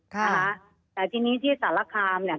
ค่ะนะคะแต่ทีนี้ที่สารคามเนี่ย